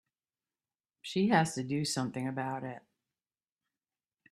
She has to do something about it.